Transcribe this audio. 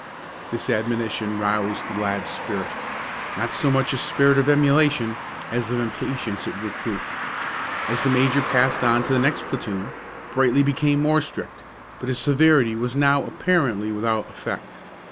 This admonition roused the lad's spirit, not so much a spirit of emulation as of impatience at reproof. As the major passed on to the next platoon, Brightly became more strict; but his severity was now apparently without effect.